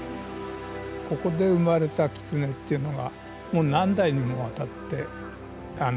ここで生まれたキツネっていうのがもう何代にもわたっているんですよ。